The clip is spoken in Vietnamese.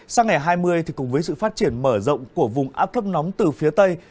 sang ngày hai mươi cùng với sự phát triển mở rộng của vùng áp thấp nóng từ phía tây